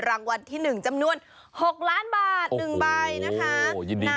รางวัลที่๑จำนวน๖ล้านบาท๑ใบนะคะ